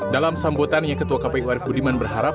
dalam sambutan yang ketua kpku arif budiman berharap